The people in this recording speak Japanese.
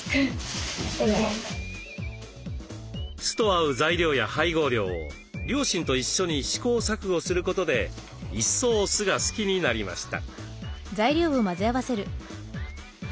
酢と合う材料や配合量を両親と一緒に試行錯誤することで一層酢が好きになりました。